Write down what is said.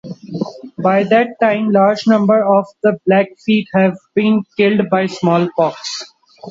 By that time large numbers of the Blackfeet have been killed by smallpox.